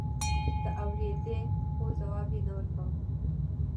ده اورېدې خو ځواب يې نه ورکاوه.